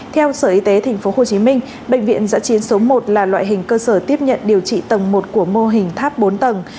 theo sở y tế tp hcm bệnh viện giã chiến số một là loại hình cơ sở tiếp nhận điều trị tầng một của mô hình tháp bốn tầng